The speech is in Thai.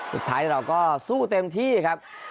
สุดท้ายเราก็สู้เต็มที่ครับ